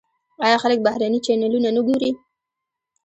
آیا خلک بهرني چینلونه نه ګوري؟